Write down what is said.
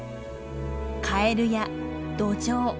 カエルやドジョウ